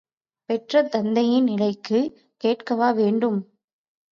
பெற்ற தந்தையின் நிலைக்குக் கேட்கவா வேண்டும்!